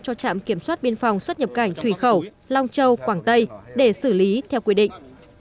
cho trạm kiểm soát biên phòng xuất nhập cảnh thủy khẩu long châu quảng tây để xử lý theo quy định